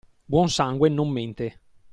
Buon sangue non mente.